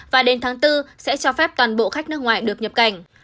và đến tháng bốn sẽ cho phép toàn bộ khách nước ngoài được nhập cảnh